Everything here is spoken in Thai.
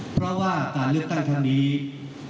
เพราะการเลือกตั้งตั้งรัฐบาล